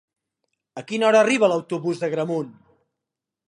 A quina hora arriba l'autobús d'Agramunt?